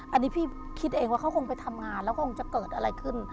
อันนี้พี่คิดเองว่าเขาคงไปทำงานแล้วคงจะเกิดอะไรขึ้น